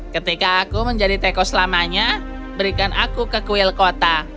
ketika aku menjadi teko selamanya berikan aku ke kuil kota